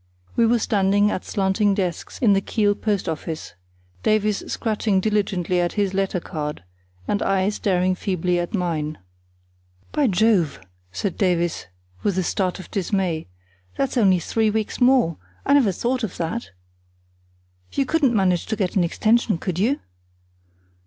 We were standing at slanting desks in the Kiel post office, Davies scratching diligently at his letter card, and I staring feebly at mine. "By Jove!" said Davies, with a start of dismay; "that's only three weeks more; I never thought of that. You couldn't manage to get an extension, could you?"